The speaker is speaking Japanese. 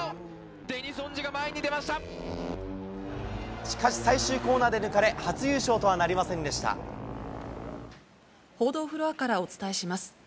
デニス・オンジュが前に出ましかし、最終コーナーで抜か報道フロアからお伝えします。